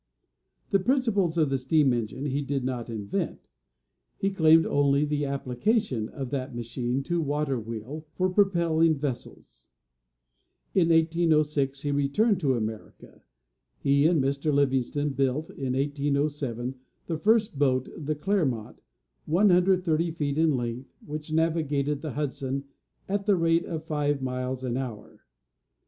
The principles of the steam engine he did not invent; he claimed only the application of that machine to water wheel, for propelling vessels. In 1806 he returned to America; he and Mr. Livingston built, in 1807, the first boat, the Clermont, 130 feet in length, which navigated the Hudson at the rate of five miles an hour.